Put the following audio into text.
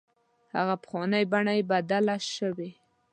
هغه پخوانۍ بڼه یې بدله شوې.